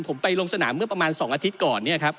ผมไปลงสนามเมื่อประมาณ๒อาทิตย์ก่อน